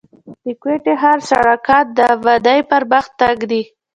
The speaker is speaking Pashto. د کوټي ښار سړکان د آبادۍ پر مخ تنګ دي.